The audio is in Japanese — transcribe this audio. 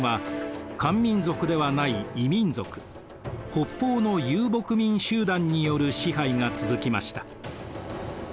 北方の遊牧民集団による支配が続きました。